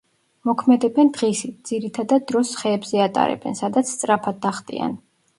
მოქმედებენ დღისით, ძირითად დროს ხეებზე ატარებენ, სადაც სწრაფად დახტიან.